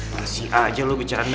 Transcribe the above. masih aja lo bercanda